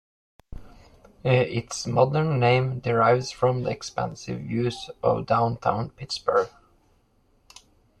Its modern name derives from the expansive views of downtown Pittsburgh.